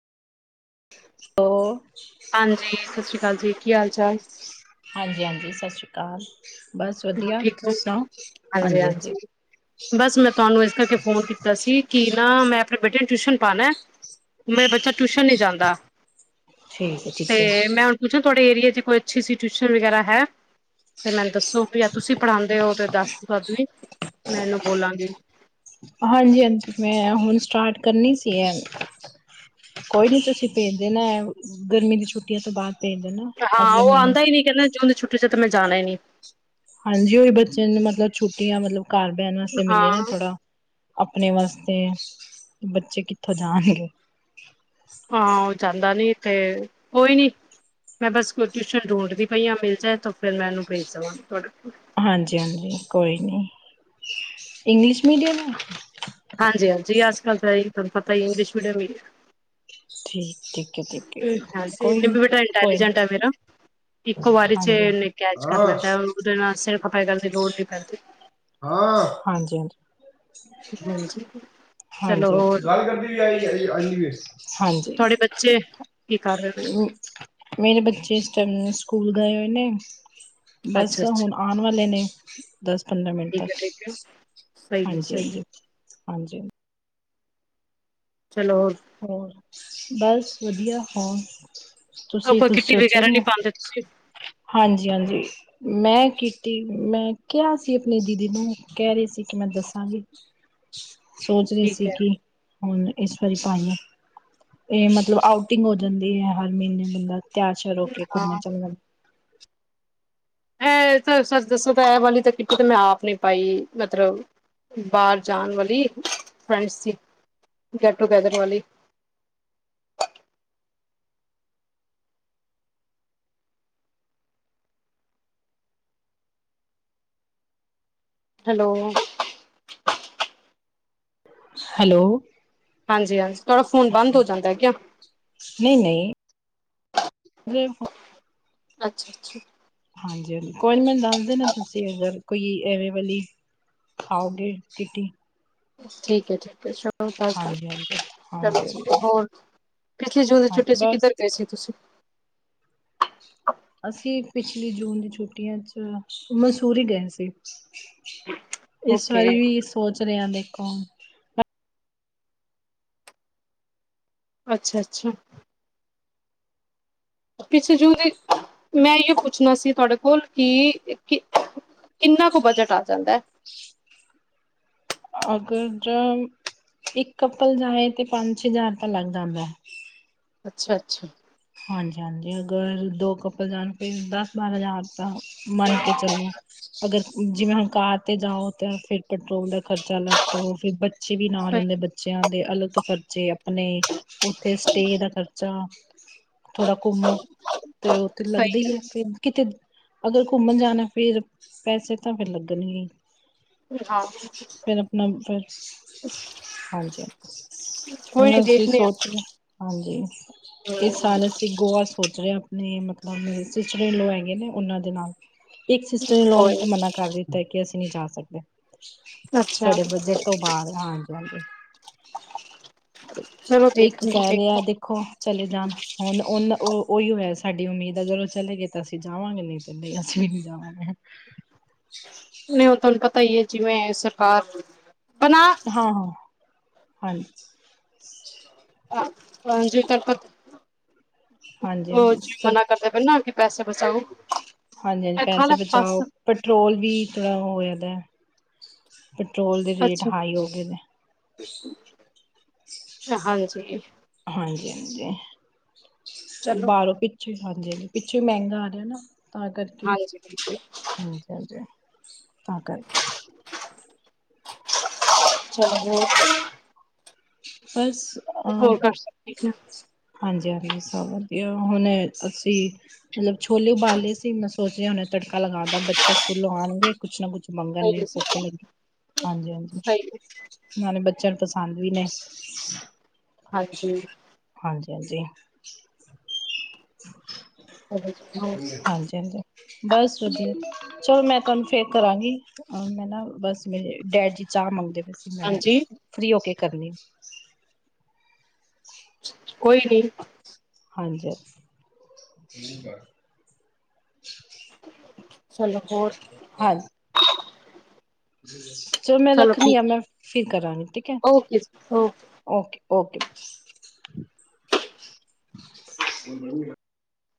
ਉਹ ਹਾਂਜੀ ਸਤਿ ਸ਼੍ਰੀ ਅਕਾਲ ਜੀ ਕੀ ਹਾਲ ਚਾਲ ਹਾਂਜੀ ਹਾਂਜੀ ਸਤਿ ਸ਼੍ਰੀ ਅਕਾਲ ਬਸ ਵਧੀਆ ਠੀਕ ਹੈ ਤੁਸੀਂ ਸੁਣਾਓ ਹਾਂਜੀ ਹਾਂਜੀ ਬਸ ਮੈਂ ਤੁਹਾਨੂੰ ਇਸ ਕਰਕੇ ਫੋਨ ਕੀਤਾ ਸੀ ਕਿ ਨਾ ਮੈਂ ਆਪਣੇ ਬੇਟੇ ਨੂੰ ਟਿਊਸ਼ਨ ਪਾਉਣਾ ਮੇਰਾ ਬੱਚਾ ਟਿਊਸ਼ਨ ਨਹੀਂ ਜਾਂਦਾ ਠੀਕ ਹੈ ਤੇ ਠੀਕ ਹੈ ਮੈਂ ਹੁਣ ਪੁੱਛਾ ਤੁਹਾਡੇ ਏਰੀਏ ਚ ਕੋਈ ਅੱਛੀ ਸੀ, ਟਿਊਸ਼ਨ ਵਗੈਰਾ ਹੈ ਤੇ ਮੈਨੂੰ ਦੱਸੋ। ਵੀ ਯ ਤੁਸੀਂ ਪੜ੍ਹਾਉਦੇ ਹੋ ਤੇ ਦੱਸ ਸਦ ਵੀ ਮੈਂ ਇਹਨੂੰ ਬੋਲਾਂਗੀ [unintelligible] ਹਾਂਜੀ ਹਾਂਜੀ, ਮੈਂ ਹੁਣ ਸਟਾਰਟ ਕਰਨੀ ਸੀ, ਕੋਈ ਨੀ, ਤੁਸੀਂ ਭੇਜ ਦੇਣਾ ਗਰਮੀ ਦੀ ਛੁੱਟੀਆਂ ਤੋਂ ਬਾਅਦ ਭੇਜ ਦੇਣਾ ਹਾਂ, ਅਗਲੇ ਉਹ ਮਹੀਨੇ ਆਂਦਾ ਹੀ ਨੀ ਕਹਿੰਦਾ ਜੂਨ ਦੀ ਛੁੱਟੀਆ ਟਿਊਸ਼ਨ ਤੇ ਮੈਂ ਜਾਣਾ ਹੀ ਨਹੀਂ ਹਾਂਜੀ, ਉਹੀ ਬੱਚਿਆਂ ਨੂੰ ਮਤਲਬ ਛੁੱਟੀਆਂ ਛੁੱਟੀਆਂ ਮਤਲਬ ਘਰ ਬਹਿਣ ਵਾਸਤੇ ਮਿਲ਼ੇ ਨਾ ਹਾਂ, ਥੋੜਾ, ਆਪਣੇ ਵਾਸਤੇ ਤੇ ਬੱਚੇ ਕਿੱਥੋਂ ਜਾਂਣਗੇ ਹਾਂ ਜਾਂਦਾ ਨਹੀਂ ਤੇ ਕੋਈ ਨਾ ਮੈਂ ਬਸ ਕੋਈ ਟਿਊਸ਼ਨ ਢੂੰਡਦੀ ਪਈ ਹਾਂ ਮਿਲ ਜਾਏ ਤਾਂ ਫਿਰ ਮੈਂ ਇਹਨੂੰ ਭੇਜ ਦੇਵਾਂ ਤੁਹਾਡੇ ਕੋਲ। ਹਾਂਜੀ ਹਾਂਜੀ, ਕੋਈ ਨੀ। ਇੰਗਲਿਸ਼ ਮੀਡੀਅਮ ਹੈ। ਹਾਂਜੀ ਹਾਂਜੀ, ਅਸੀ ਪਤਾ ਏ ਪਤਾ ਆ ਇੰਗਲਿਸ਼ ਮੀਡੀਅਮ ਆ ਠੀਕ ਠੀਕ ਹੈ ਠੀਕ ਹਮ ਹੈ ਹਾਂਜੀ ਕੋਈ ਨੀ ਬਟ ਕੋਈ ਨੀ ਇੰਟੈਲੀਜੈਂਟ ਆ ਵੀਰਾ [unintelligible] ਇੱਕੋ ਵਾਰੀ ਚ ਹਾਂਜੀ ਹਾਂਜੀ ਐਨੇ ਕੈਚ ਕਰ ਹਾਂ ਲੈਂਦਾ, ਉਹਦੇ ਨਾਲ ਸਿਰਫ ਹਾਂਜੀ ਹਾਂਜੀ ਚਲੋ ਹਾਂਜੀ ਹੋਰ ਹਾਂਜੀ ਹਾਂਜੀ, ਤੁਹਾਡੇ ਬੱਚੇ ਕੀ ਕਰ ਰਹੇ ਨੇ ਮੇਰੇ ਬੱਚੇ ਇਸ ਟਾਇਮ ਸਕੂਲ ਗਏ ਹੋਏ ਨੇੇ ਬਸ ਅੱਛਾ-ਅੱਛਾ ਹੁਣ ਵਾਲੇ ਨੇ ਦਸ ਪੰਦਰਾਂ ਮਿੰਟ ਠੀਕ ਤੱਕ ਹੈ-ਠੀਕ ਹੈ ਸਹੀ ਏ ਹਾਂਜੀ ਸਹੀ ਹਾਂਜੀ ਹਾਂਜੀ ਹੋਰ ਬਸ ਵਧੀਆ ਹੋਰ ਉਹ ਤੁਸੀਂ ਕੋਈ ਕੁੱਝ ਕਿੱਟੀ ਸੋਚਿਆ ਵਗੈਰਾ ਨੀ ਨਹੀਂ ਪਾਉਂਦੇ ਤੁਸੀਂ ਹਾਂਜੀ ਹਾਂਜੀ, ਮੈਂ ਕੀਤੀ, ਮੈਂ ਕਿਹਾ ਸੀ ਆਪਣੀ ਦੀਦੀ ਨੂੰ ਕਹਿ ਰਹੀ ਸੀ ਕਿ ਮੈਂ ਦੱਸਾਂਗੀ। ਸੋਚ ਰਹੀ ਠੀਕ ਸੀ ਹੈ ਕਿ ਹੁਣ ਇਸ ਵਾਰੀ ਪਾਈਆਂ, ਇਹ ਮਤਲਬ ਆਉ ਟਿੰਗ ਹੋ ਜਾਂਦੀ ਹੈ ਹਰ ਮੈਨੂੰ ਬੰਦਾ। ਤਿਆਰਸ਼ਾਰ ਓਕੇ ਹਾਂ ਘੁੰਮਣ ਚਲੇ ਇਹ ਸਰ ਦੱਸੋ ਤਾਂ ਇਹ ਵਾਲੀ ਤਾਂ ਕਿਟੀ ਤੇ ਮੈਂ ਆਪ ਨਹੀਂ ਪਾਈ ਮਤਲਬ ਬਾਹਰ ਜਾਣ ਵਾਲੀ ਫਰੈਂਡਸ ਸੀ ਗੈਟ ਟੂ ਗੈਦਰ ਵਾਲੀ। ਹੈਲੋ। ਹੈਲੋ। ਹਾਂਜੀ ਹਾਂਜੀ ਤੁਹਾਡਾ ਫੋਨ ਬੰਦ ਹੋ ਜਾਂਦਾ ਹੈ ਕਿਆ। ਗੇ ਹੂ ਅੱਛਾ ਅੱਛਾ। ਹਾਂਜੀ ਹਾਂ ਕੋਈ ਮੈਨੂੰ ਦੱਸ ਦੇ ਨੀ ਤੁਸੀਂ ਅਗਰ ਕੋਈ ਐਵੇਂ ਵਾਲੀ ਖਾਓਗੇ ਕਿਟੀ ਠੀਕ ਹੈ ਠੀਕ ਹੈ ਸ਼ ਹਾਂਜੀ ਹਾਂਜੀ ਚਲੋ ਹਾਂਜੀ ਹਾਂਜੀ ਜੀ ਹੋਰ ਪਿਛਲੇ ਜੂਨ ਦੀ ਹਾਂ ਛੁੱਟੀ ਸੀ ਬਸ ਕਿੱਧਰ ਗਏ ਸੀ ਤੁਸੀਂ। ਅਸੀਂ ਪਿਛਲੀ ਜੂਨ ਦੀ ਛੁੱਟੀਆਂ ਚ ਮਸੂਰੀ ਗਏ ਸੀ ਇਸ ਓਕੇ ਵਾਰੀ ਵੀ ਸੋਚ ਰਹੇ ਹਾ ਦੇਖੋ ਹਾਂ ਅੱਛਾ ਅੱਛਾ ਪਿੱਛੇ ਜੂਨ ਦੇ ਮੈਂ ਜ ਪੁੱਛ ਪੁੱਛਣਾ ਸੀ ਤੁਹਾਡੇ ਕੋਲ ਕਿ ਕਿੰਨਾ ਕੁ ਬਜਟ ਆ ਜਾਂਦਾ ਹੈ ਅਗਰ ਇੱਕ ਕੱਪਲ ਜਾਏ ਤੇ ਪੰਜ ਛੇ ਹਜ਼ਾਰ ਤਾਂ ਲੱਗ ਜਾਂਦਾ ਹੈ। ਅੱਛਾ ਅੱਛਾ। ਹਾਂਜੀ ਹਾਂਜੀ ਅਗਰ ਦੋ ਕਪਲ ਜਾਣ ਫੇਰ ਦਸ ਬਾਰਾਂ ਹਜ਼ਾਰ ਤਾਂ ਮੰਨ ਕੇ ਚਲੋ ਅਗਰ ਜਿਵੇਂ ਹੁਣ ਕਾਰ ਤੇ ਜਾਓ ਤਾਂ ਫਿਰ ਪੈਟਰੋਲ ਦਾ ਖ਼ਰਚਾ ਲਗ ਤੋ ਫਿਰ, - ਬੱਚੇ ਵੀ ਨਾਲ ਸਹੀ ਹੁੰਦੇ ਏ ਬੱਚਿਆਂ ਦੇ ਅਲਗ ਖ਼ਰਚੇ। ਆਪਣੇ ਉੱਥੇ ਸਟੇ ਦਾ ਖਰਚਾ। ਥੋੜਾ ਘੁੰਮੋ, ਤੇ ਉੱਥੇ ਸਹੀ ਲੱਗਦਾ ਹੀ ਹੈ ਫਿਰ ਕਿਤੇ ਅਗਰ ਘੁੰਮਣ ਜਾਣਾ ਫੇਰ ਪੈਸੇ ਤਾਂ ਫਿਰ ਲੱਗਣਗੇ। ਹੈ ਹਾਂ ਫਿਰ ਆਪਣਾ ਫਿਰ ਹਾਂਜੀ ਕੋਈ ਨੀ ਹੁਣ ਅਸੀਂ ਦੇਖਦੇ ਆ। ਸੋਚਦੇ ਹਾਂਜੀ ਇਸ ਅਸੀਂ ਗੋਆ ਸੋਚ ਰਹੇ ਆ ਆਪਣੇ, ਮਤਲਬ ਸਿਸਟਰ- ਇਨ-ਲਾ ਹੈਗੇ ਨੇ ਉਹਨਾਂ ਦੇ ਨਾਲ ਇੱਕ ਸਿਸਟਰ ਨੇ ਲੋਨ ਕੋਈ ਨੀ ਤਾਂ ਮਨਾ ਕਰ ਦਿੱਤਾ ਕਿ ਅਸੀਂ ਨਹੀਂ ਜਾ ਸਕਦੇ। ਅੱਛਾ ਸਾਡੇ ਬਜਟ ਤੋਂ ਬਾਅਦ ਹਾਂਜੀ ਹਾਂਜੀ। ਤੇ ਚਲੋ ਦੇਖ ਇੱਕ ਕਹਿ ਦੇਖੋ। ਰਿਹਾ ਦੇਖੋ ਚਲੇ ਜਾਣ ਹੁਣ ਉਹਨਾਂ ਉਹ ਉਹੀਉ ਸਾਡੀ ਉਮੀਦ ਹੈ ਅਗਰ ਉਹ ਚਲੇ ਗਏ ਤਾਂ ਅਸੀਂ ਜਾਵਾਂਗੇ ਨਹੀਂ ਤੇ ਨਹੀਂ ਅਸੀਂ ਵੀ ਨਹੀਂ ਜਾਵਾਂਗੇ। ਨਹੀਂ ਉਹ ਤੁਹਾਨੂੰ ਪਤਾ ਹੀ ਹੈ। ਜਿਵੇਂ ਸਰਕਾਰ ਬਣਾ ਹਾਂ ਹਾਂ। ਹਾਂਜੀ। ਹਾਂਜੀ ਕਰਪਤ। ਹਾਂਜੀ ਉਹ ਹਾਂਜੀ ਜੀ ਸਰ ਮਨਾ ਕਰਦੇ ਪਏ ਨਾ। ਪੈਸੇ ਬਚਾਓ ਹਾਂਜੀ ਹਾਂਜੀ ਇਹ ਖਾ ਪੈਸੇ ਲੈ ਬਸ ਬਚਾਓ ਪੈਟਰੋਲ ਵੀ ਹੋ ਜਾਂਦਾ। ਪੈਟਰੋਲ ਦੇ ਰੇਟ ਅੱਛਾ ਹਾਈ ਹੋ ਗਏ ਨੇ। ਹਾਂਜੀ। ਹਾਂਜੀ। ਹਾਂਜੀ! ਚਲੋ ਬਾਹਰੋਂ ਪਿੱਛੇ ਹਾਂਜੀ। ਪਿੱਛੇ ਮਹਿੰਗਾ ਆ ਰਿਹਾ ਨਾ। ਤਾਂ ਕਰਕੇ ਹਾਂਜੀ ਬਿਲਕੁਲ ਠੀਕਾਂ ਜੀ। ਤਾਂ ਕਰਕੇ। ਚਲੋ। ਚਚ ਬਸ ਹੋਰ ਘਰ ਸਭ ਠੀਕ ਨੇ ਹਾਂਜੀ ਹਾਂ। ਸਭ ਵਧੀਆ ਹੁਣ ਅਸੀਂ ਮਤਲਬ ਛੋਲੇ ਉਬਾਲੇ ਸੀ ਮੈਂ ਸੋਚ ਰਿਹਾ ਹੁਣੇ ਤੜਕਾ ਲਗਾ ਦਾ। ਬੱਚੇ ਸਕੂਲੋਂ ਆਉਣਗੇ ਕੁਛ ਨਾ ਕੁਛ ਸਹੀ ਮੰਗਣਗੇ ਹੈ ਭੁੱਖ ਸਭ ਲੱਗੇ ਹਾਂਜੀ, ਸਹੀ ਹੈ ਹਾਂਜੀ ਨਾਲੇ ਬੱਚੇ। ਬੱਚ ਪਸੰਦ ਵੀ ਨੇ। ਹਾਂਜੀ। ਜੀ। ਜੀ ਹੋਰ ਚਚਅ। ਹਾਂਜੀ ਹਾਂਜੀ ਬਸ ਵਧੀਆ ਚਲੋ ਮੈਂ ਤੁਹਾਨੂੰ ਫੇਰ ਕਰਾਂਗੀ। ਮੈਂ ਨਾ ਬਸ ਮੇਰੇ ਡੈਡ ਜੀ। ਚਾਹ ਮੰਗਦੇ ਪਏ ਸੀ ਮੈਂ ਹਾਂਜੀ ਫਰੀ ਹੋ ਕੇ ਕਰਨੀ। ਕੋਈ ਨੀ। ਹਾਂਜੀ। ਹਾਂ। ਚਲੋ ਹੋਰ। ਹਮ। ਜੋ ਮੈਂ ਚਲੋ ਰੱਖਣੀ ਆ ਠੀਕ ਮੈਂ ਫਿਰ ਕਰਾਂਗੇ। Okay okay. ਓਕੇ।